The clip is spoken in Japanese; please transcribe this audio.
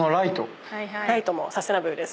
ライトもサスティナブルです。